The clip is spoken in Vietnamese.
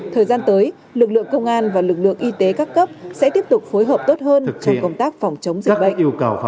thời gian tới lực lượng công an và lực lượng y tế các cấp sẽ tiếp tục phối hợp tốt hơn trong công tác phòng chống dịch bệnh